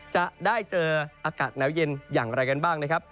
จะได้เจออากาศหนาวเย็นอย่างไรกันบ้างนะครับ